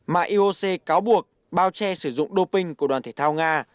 mà ioc cáo buộc bao che sử dụng đô pinh của đoàn thể thao nga